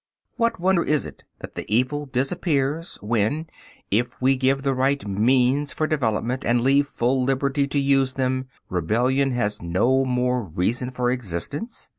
What wonder is it that the evil disappears when, if we give the right means for development and leave full liberty to use them, rebellion has no more reason for existence?